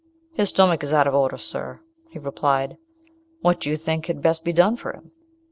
"His stomach is out of order, sir," he replied. "What do you think had best be done for him?"